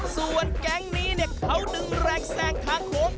ส่วนแก๊งนี้เขาดึงแรงแซงทางโค้ง